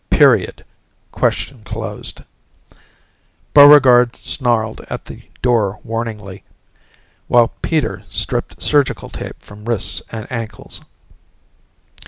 Period, question closed. Buregarde snarled at the door warningly while Peter stripped surgical tape from wrists and ankles.